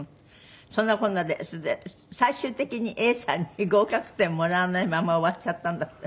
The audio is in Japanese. そんなこんなでそれで最終的に永さんに合格点もらわないまま終わっちゃったんだって？